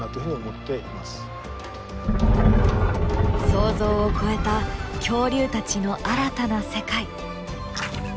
想像を超えた恐竜たちの新たな世界。